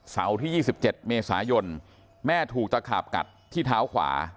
เสาร์ที่ยี่สิบเจ็ดเมษายนแม่ถูกจะขาบกัดที่เท้าขวา